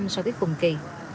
so với cùng kỳ